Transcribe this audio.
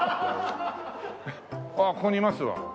あっここにいますわ。